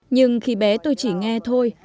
nhưng khi bé tôi chỉ nghe thôi